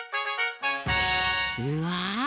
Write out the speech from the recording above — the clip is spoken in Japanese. うわ！